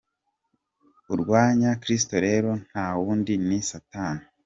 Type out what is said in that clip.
Urwanya Kristo rero nta wundi ni Satani.